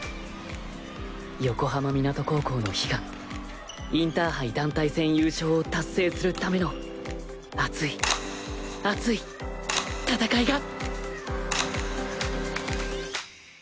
横浜湊高校の悲願インターハイ団体戦優勝を達成するための熱い熱い戦いが！